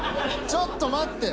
ちょっと待って。